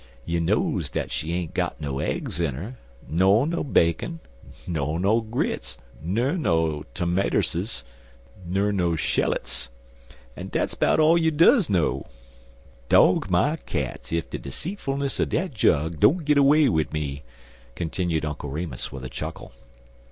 You knows dat she ain't got no aigs in her, ner no bacon, ner no grits, ner no termartusses, ner no shellotes, an' dat's 'bout all you duz know. Dog my cats ef de seetfulness er dat jug don't git away wid me," continued Uncle Remus, with a chuckle.